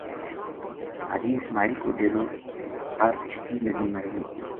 حاجی اسماعیل کو ڈیرو بر چٹی ندی ما رہیو